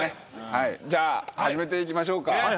じゃあ始めていきましょうか。